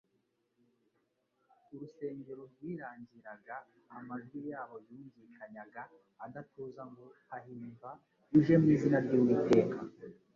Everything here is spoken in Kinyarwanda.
Urusengero rwirangiraga amajwi yabo yungikanyaga adatuza ngo : "Hahimva uje mu izina iy'Uwiteka!"